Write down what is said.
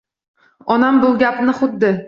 Onam bu gapni xuddi